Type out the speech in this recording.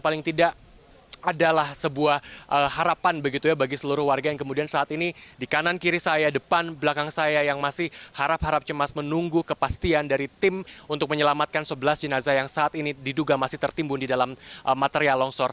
paling tidak adalah sebuah harapan begitu ya bagi seluruh warga yang kemudian saat ini di kanan kiri saya depan belakang saya yang masih harap harap cemas menunggu kepastian dari tim untuk menyelamatkan sebelas jenazah yang saat ini diduga masih tertimbun di dalam material longsor